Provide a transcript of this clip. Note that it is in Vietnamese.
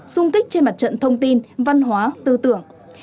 xung kích trên mặt trận thông tin văn hóa tư tưởng